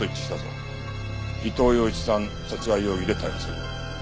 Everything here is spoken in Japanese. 伊藤洋市さん殺害容疑で逮捕する。